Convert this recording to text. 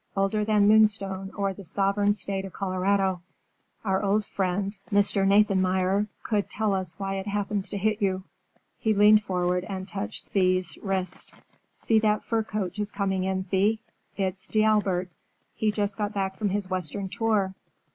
Older than Moonstone or the sovereign State of Colorado. Our old friend Mr. Nathanmeyer could tell us why it happens to hit you." He leaned forward and touched Thea's wrist, "See that fur coat just coming in, Thea. It's D'Albert. He's just back from his Western tour.